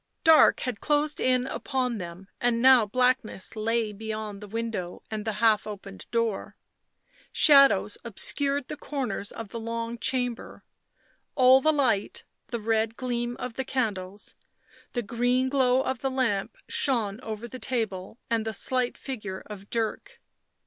Dark had closed in upon them and now blackness lay beyond the window and the half open door ; shadows obscured the corners of the long chamber ; all the light, the red gleam of the candles, the green glow of the lamp, shone over the table and the slight figure of Dirk.